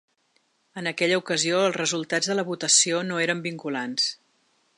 En aquella ocasió els resultats de la votació no eren vinculants.